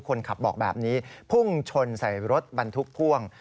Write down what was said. คนขับบอกแบบนี้พุ่งชนใส่รถบรรทุกพ่วง